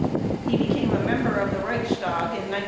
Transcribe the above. He became a member of the Reichstag in 1933.